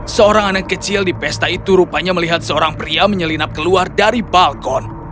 seorang anak kecil di pesta itu rupanya melihat seorang pria menyelinap keluar dari balkon